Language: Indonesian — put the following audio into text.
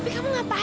ya ampun mbak dewi